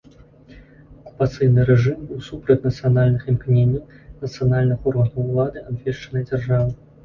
Акупацыйны рэжым быў супраць нацыянальных імкненняў, нацыянальных органаў улады абвешчанай дзяржавы.